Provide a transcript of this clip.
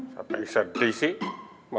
sampai sedih sih